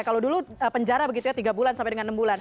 kalau dulu penjara begitu ya tiga bulan sampai dengan enam bulan